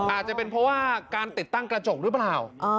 อาจจะเป็นเพราะว่าการติดตั้งกระจกหรือเปล่า